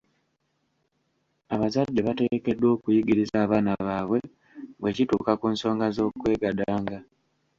Abazadde bateekeddwa okuyigiriza abaana baabwe bwe kituuka ku nsonga z'okwegadanga.